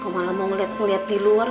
kamu malah mau liat liat di luar